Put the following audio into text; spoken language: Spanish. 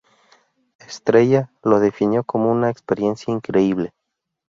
Estrella lo definió como ""una experiencia increíble"".